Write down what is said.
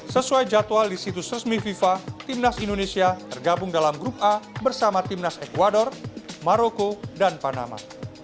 sesuai jadwal di situs resmi fifa timnas indonesia tergabung dalam grup a bersama timnas ecuador maroko dan panama